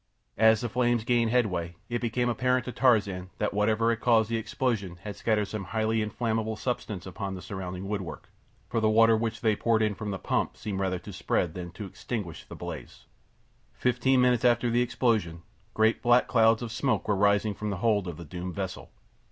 As the flames gained headway it became apparent to Tarzan that whatever had caused the explosion had scattered some highly inflammable substance upon the surrounding woodwork, for the water which they poured in from the pump seemed rather to spread than to extinguish the blaze. Fifteen minutes after the explosion great, black clouds of smoke were rising from the hold of the doomed vessel.